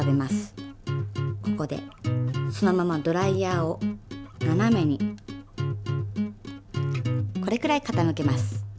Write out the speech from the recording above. ここでそのままドライヤーをななめにこれくらい傾けます。